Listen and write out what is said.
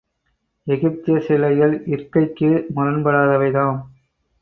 எகிப்திய சிலைகள் இற்கைக்கு முரண்படாதவைதாம்.